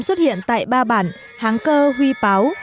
xuất hiện tại ba bản háng cơ huy páo